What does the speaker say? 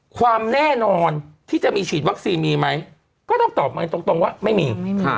ความแน่นอนที่จะมีฉีดวัคซีนมีไหมก็ต้องตอบมาตรงว่าไม่มี